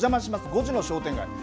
５時の商店街です。